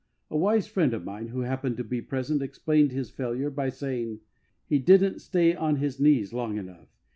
A wise friend of mine, who happened to be present, explained his failure by saying :" He didn't stay on his knees long enough.